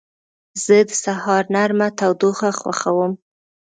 زه د سهار نرمه تودوخه خوښوم.